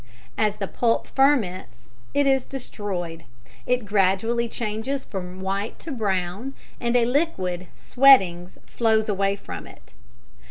As the pulp ferments, it is destroyed; it gradually changes from white to brown, and a liquid ("sweatings") flows away from it.